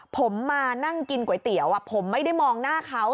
ผมมานั่งกินก๋วยเตี๋ยวผมไม่ได้มองหน้าเขา